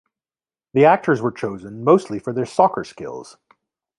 The actors were chosen mostly for their soccer skills.